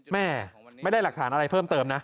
แม่ไม่ได้หลักฐานอะไรเพิ่มเติมนะ